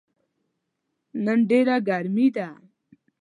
نن ډیره ګرمې ده